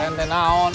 keren deh naon